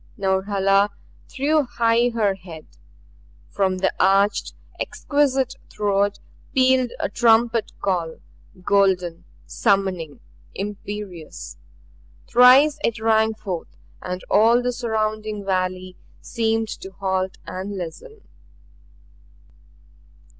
Norhala threw high her head. From the arched, exquisite throat pealed a trumpet call golden, summoning, imperious. Thrice it rang forth and all the surrounding valley seemed to halt and listen.